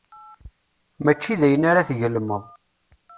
Mačči dayen ara d-tgelmeḍ.